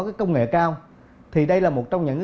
cái công nghệ cao thì đây là một trong những